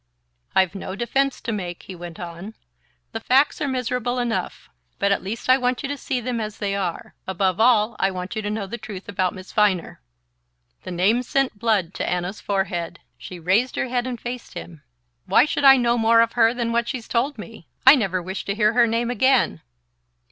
"I've no defense to make," he went on. "The facts are miserable enough; but at least I want you to see them as they are. Above all, I want you to know the truth about Miss Viner " The name sent the blood to Anna's forehead. She raised her head and faced him. "Why should I know more of her than what she's told me? I never wish to hear her name again!"